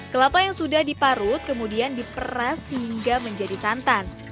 kelapa yang sudah diparut kemudian diperas hingga menjadi santan